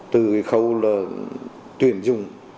từ khâu tuyển dùng